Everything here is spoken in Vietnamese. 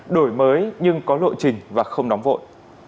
đổi mới nhưng có lộ trình và không nóng vội